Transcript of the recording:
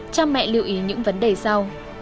cha mẹ lưu ý những vấn đề sau